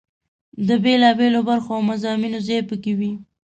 د بېلا بېلو برخو او مضامینو ځای په کې وي.